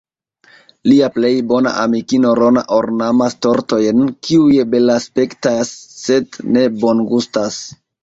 Lia plej bona amikino Rona ornamas tortojn, kiuj belaspektas sed ne bongustas.